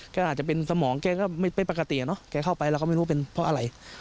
แกอาจจะเป็นสมองแกไม่ปกติเหรอแกเข้าไปแล้วก็ไม่รู้เป็นเพราะอะไร